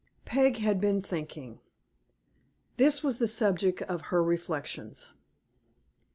PEG had been thinking. This was the substance of her reflections.